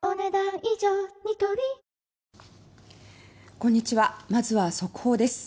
こんにちは、まずは速報です。